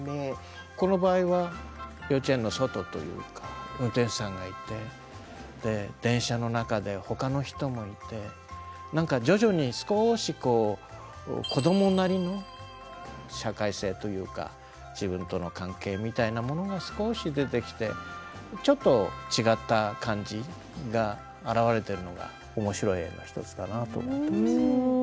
この場合は幼稚園の外というか運転手さんがいて電車の中で他の人もいてなんか徐々に少しこう自分との関係みたいなものが少し出てきてちょっと違った感じが表れてるのが面白い絵の１つだなと思ってます。